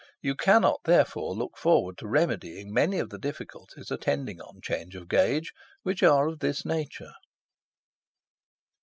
You cannot, therefore, look forward to remedying many of the difficulties attending on change of gauge, which are of this nature."